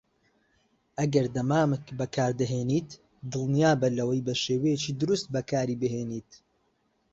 ئەگەر دەمامک بەکاردەهێنیت، دڵنیابە لەوەی بەشێوەیەکی دروست بەکاریبهێنیت.